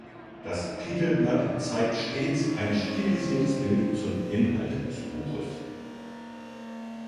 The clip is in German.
Das Titelblatt zeigt stets ein stilisiertes Bild zum Inhalt des Buches.